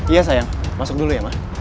iya sayang masuk dulu ya mas